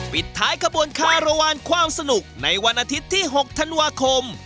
ปิดท้ายขบวนคารวาลความสนุกในวันอาทิตย์ที่๖ธันวาคม